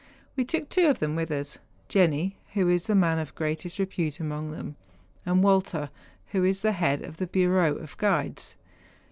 We took two of them with us—Jenni, who is the man of greatest repute among them, and Walter, who is the head of the bureau of guides.